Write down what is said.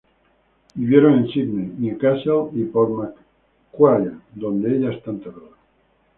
Vivieron en Sídney, Newcastle y Port Macquarie, donde ella está enterrada.